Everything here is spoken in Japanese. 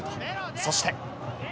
そして。